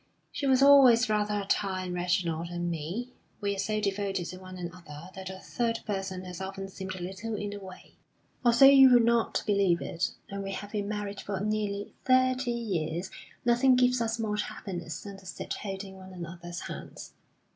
She was always rather a tie on Reginald and me. We are so devoted to one another that a third person has often seemed a little in the way. Although you would not believe it, and we have been married for nearly thirty years, nothing gives us more happiness than to sit holding one another's hands.